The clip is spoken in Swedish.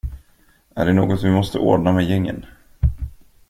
Är det något vi måste ordna med gängen?